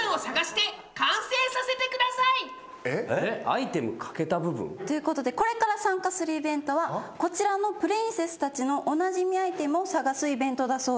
アイテム欠けた部分？ということでこれから参加するイベントはこちらのプリンセスたちのおなじみアイテムを探すイベントだそうです。